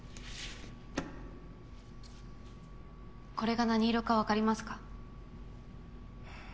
これが何色かわかりますか？